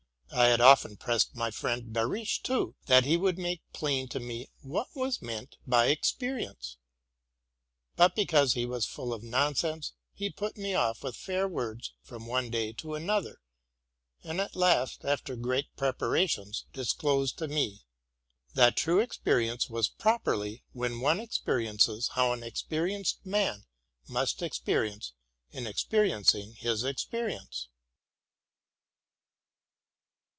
I had often pressed my friend Behrisch, too, thse he would make plain to me what was meant by experience? But, because he was full of nonsense, he put me off with fair words from one day to another, and at last, after great prep arations, disclosed to me, that true experience was properly when one experiences how an experienced man must expe rience in experiencing his experience.